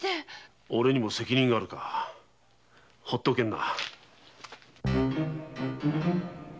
オレにも責任あるかほっとけんな。